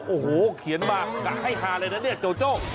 โอ้โหเขียนมากะให้ฮาเลยนะเนี่ยโจโจ้